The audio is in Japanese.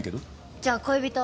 じゃあ恋人は？